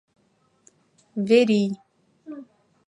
Верий.